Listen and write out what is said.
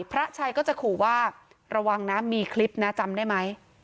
พระชัยก็จะขู่ว่าระวังนะมีคลิปนะจำได้ไหม